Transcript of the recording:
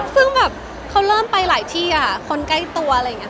ซึ่งแบบเขาเริ่มไปหลายที่อ่ะคนใกล้ตัวอะไรอย่างนี้